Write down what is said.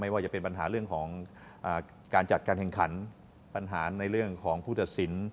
ว่าจะเป็นปัญหาเรื่องของการจัดการแข่งขันปัญหาในเรื่องของผู้ตัดสิน